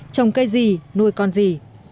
trồng cây gì nuôi con gì